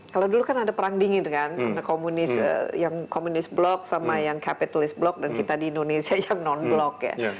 kalau dulu kan ada perang dingin kan yang komunis block sama yang capitalist block dan kita di indonesia yang non blok ya